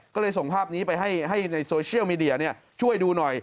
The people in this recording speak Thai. ก็เลยส่งภาพนี้ไปให้ในโซเชียลมีเดียช่วยดูหน่อย